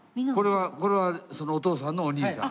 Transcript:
これはお父さんのお兄さん。